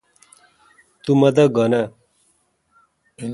تو مہ دا گھن آ؟